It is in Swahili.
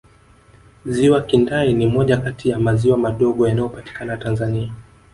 ziwa kindai ni moja Kati ya maziwa madogo yanayopatikana tanzania